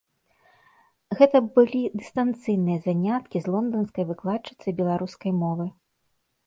Гэта былі дыстанцыйныя заняткі з лонданскай выкладчыцай беларускай мовы.